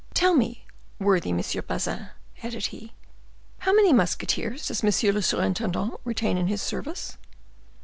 Tell me, worthy Master Bazin," added he, "how many musketeers does monsieur le surintendant retain in his service?"